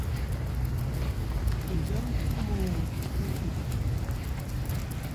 Nɵa mu tukumu sarti taa.